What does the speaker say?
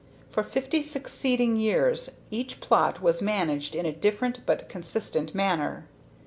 For fifty succeeding years each plot was managed in a different but consistent manner.